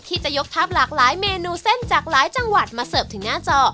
ที่จะยกทัพหลากหลายเมนูเส้นจากหลายจังหวัดมาเสิร์ฟถึงหน้าจอ